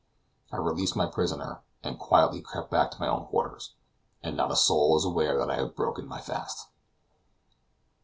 I released my prisoner, and quietly crept back to my own quarters. And not a soul is aware that I have broken my fast!